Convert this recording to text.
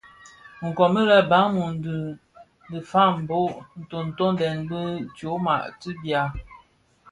Komid lè Balum dhi fag bō toňdènga bi tyoma ti bia.